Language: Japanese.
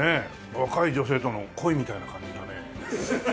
若い女性との恋みたいな感じのね。